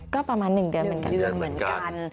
ก็ประมาณ๑เดือนเหมือนกัน